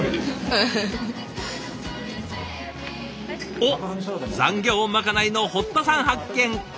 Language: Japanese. おっ残業まかないの堀田さん発見！